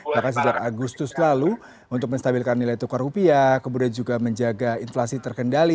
bahkan sejak agustus lalu untuk menstabilkan nilai tukar rupiah kemudian juga menjaga inflasi terkendali